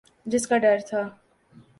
جس کا ڈر تھا۔